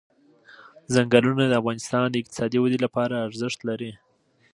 ځنګلونه د افغانستان د اقتصادي ودې لپاره ارزښت لري.